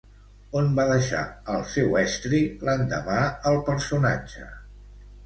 On va deixar el seu estri l'endemà el personatge?